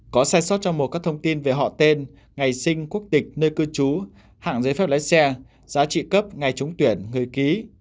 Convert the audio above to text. có sai sót trong mùa các thông tin về họ tên ngày sinh quốc tịch nơi cư trú hạng giấy phép lái xe giá trị cấp ngày trúng tuyển người ký